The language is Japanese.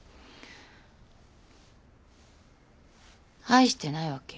愛してないわけ？